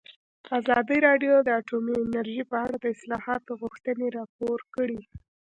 ازادي راډیو د اټومي انرژي په اړه د اصلاحاتو غوښتنې راپور کړې.